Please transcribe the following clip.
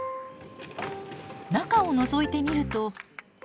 中をのぞいてみると。